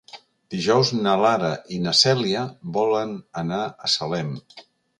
Dijous na Lara i na Cèlia volen anar a Salem.